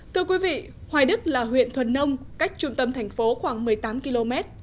thưa quý vị hoài đức là huyện thuần nông cách trung tâm thành phố khoảng một mươi tám km